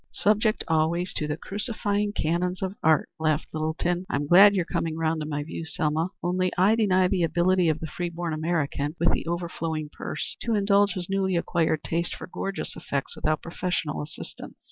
"Subject always to the crucifying canons of art," laughed Littleton. "I'm glad you're coming round to my view, Selma. Only I deny the ability of the free born American, with the overflowing purse, to indulge his newly acquired taste for gorgeous effects without professional assistance."